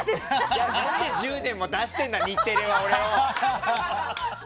何で１０年も出してるんだ日テレは俺を！